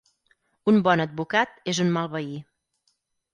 Un bon advocat és un mal veí